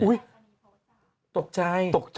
อุ๊ยตกใจ